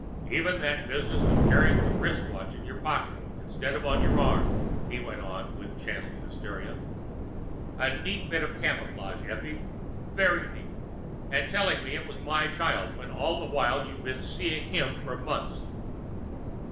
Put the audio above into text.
"Even that business of carrying the wristwatch in your pocket instead of on your arm," he went on with channeled hysteria. "A neat bit of camouflage, Effie. Very neat. And telling me it was my child, when all the while you've been seeing him for months!"